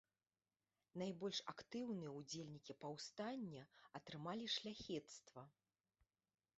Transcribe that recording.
Найбольш актыўныя ўдзельнікі паўстання атрымалі шляхецтва.